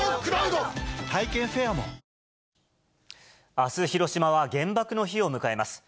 あす、広島は原爆の日を迎えます。